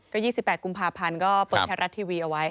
ก็๒๘กุมภาพันธ์ก็เปิดไทยรัฐทีวีเอาไว้